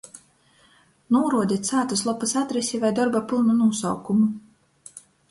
Nūruodit sātyslopys adresi voi dorba pylnu nūsaukumu.